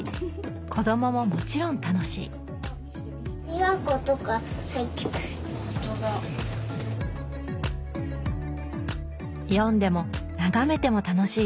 子どもももちろん楽しい読んでも眺めても楽しい絵本。